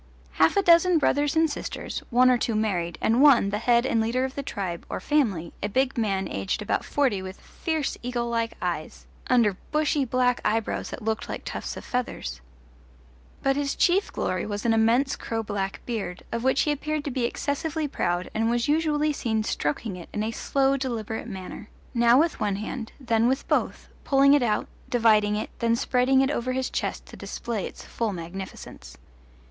Half a dozen brothers and sisters, one or two married, and one, the head and leader of the tribe, or family, a big man aged about forty with fierce eagle like eyes under bushy black eyebrows that looked like tufts of feathers. But his chief glory was an immense crow black beard, of which he appeared to be excessively proud and was usually seen stroking it in a slow deliberate manner, now with one hand, then with both, pulling it out, dividing it, then spreading it over his chest to display its full magnificence.